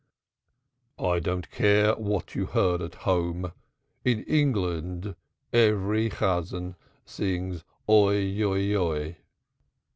'" "I don't care what you heard at home. In England every Chazan sings 'Oi, Oi, Oi.'"